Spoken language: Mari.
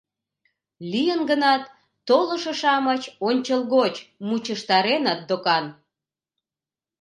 Лийын гынат, толышо-шамыч ончылгоч мучыштареныт докан.